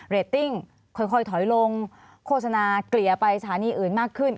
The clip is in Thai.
ตติ้งค่อยถอยลงโฆษณาเกลี่ยไปสถานีอื่นมากขึ้น